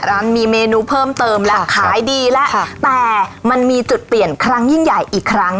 ร้านมีเมนูเพิ่มเติมแล้วขายดีแล้วแต่มันมีจุดเปลี่ยนครั้งยิ่งใหญ่อีกครั้ง